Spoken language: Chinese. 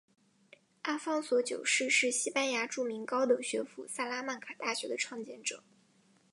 阿方索九世是西班牙著名高等学府萨拉曼卡大学的创建者。